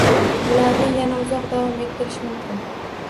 Bularni yana uzoq davom ettirish mumkin